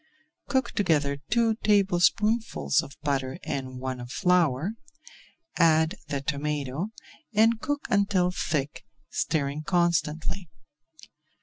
Cook together two tablespoonfuls of butter and one of flour, add the tomato, and cook until thick, stirring constantly.